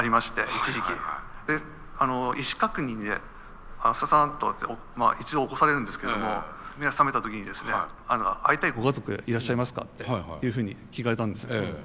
一時期。で意思確認で「スダさん」とかって一度起こされるんですけども目が覚めた時にですね会いたいご家族いらっしゃいますか？っていうふうに聞かれたんです。